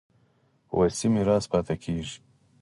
وصي میراث پاتې کېږي.